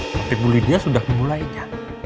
tapi buli dia sudah mulainya